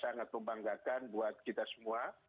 sangat membanggakan buat kita semua